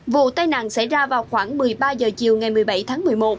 vụ tai nạn xảy ra vào khoảng một mươi ba h chiều ngày một mươi bảy tháng một mươi một